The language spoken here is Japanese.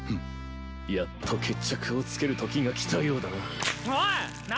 やっと決着をつけるときがきたようだな。